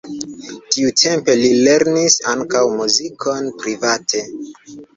Tiutempe li lernis ankaŭ muzikon private.